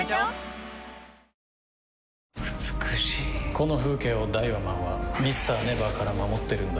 この風景をダイワマンはＭｒ．ＮＥＶＥＲから守ってるんだ。